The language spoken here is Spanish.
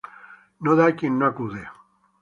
No dan a quien no acude.